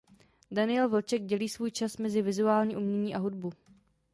Daniel Vlček dělí svůj čas mezi vizuální umění a hudbu.